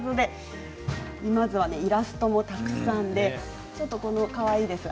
まずはイラストもたくさんでちょっとかわいいですね。